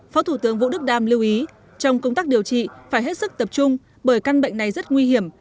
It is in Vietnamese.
phó thủ tướng vũ đức đam lưu ý trong công tác điều trị phải hết sức tập trung bởi căn bệnh này rất nguy hiểm